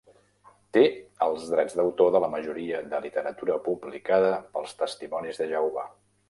Té els drets d'autor de la majoria de literatura publicada pels Testimonis de Jehovà.